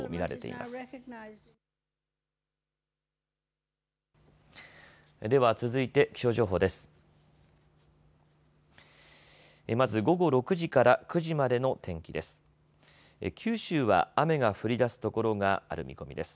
まず午後６時から９時までの天気です。